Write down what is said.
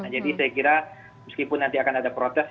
jadi saya kira meskipun nanti akan ada protes